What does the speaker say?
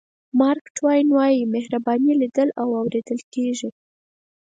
مارک ټواین وایي مهرباني لیدل او اورېدل کېږي.